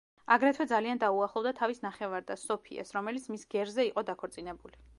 აგრეთვე ძალიან დაუახლოვდა თავის ნახევარ-დას, სოფიას, რომელიც მის გერზე იყო დაქორწინებული.